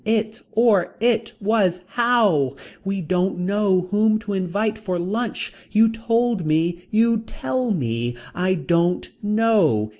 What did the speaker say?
It. Or. It. Was. How. We don't know whom to invite for lunch. You told me you'd tell me. I don't know.